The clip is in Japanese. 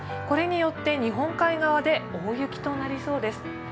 これによって日本海側で大雪となりそうです。